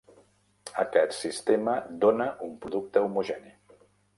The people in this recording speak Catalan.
Aquest sistema dóna un producte homogeni.